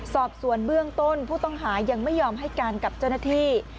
สอบสวนเบื้องต้นผู้ต้องหายังไม่ยอมให้การกับเจ้าหน้าที่